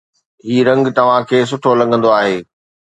هي رنگ توهان کي سٺو لڳندو آهي